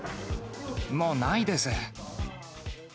もうないです。